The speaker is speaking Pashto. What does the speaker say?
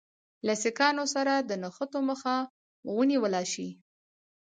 له سیکهانو سره د نښتو مخه ونیوله شي.